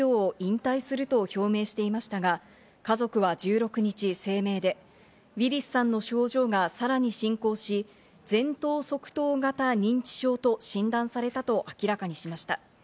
ウィリスさんは去年３月に失語症の診断を受け、俳優業を引退すると表明していましたが、家族は１６日、声明でウィリスさんの症状がさらに進行し、前頭側頭型認知症と診断されたと明らかにしました。